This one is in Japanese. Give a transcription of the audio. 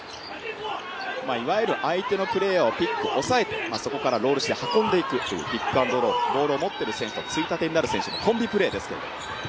いわゆる相手のプレーをピックで押さえてそこからロールして運んでいくというピックアンドロールボールを持っている選手のついたてになる選手とのコンビプレーですが。